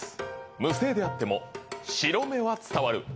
無声であっても白目は伝わる。